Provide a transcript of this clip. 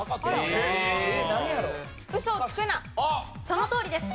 そのとおりです。